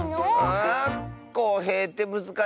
あこうへいってむずかしいッス。